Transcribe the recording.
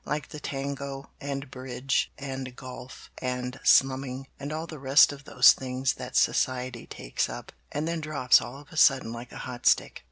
"Like the tango, and bridge, and golf, and slumming, and all the rest of those things that Society takes up, and then drops all of a sudden like a hot stick.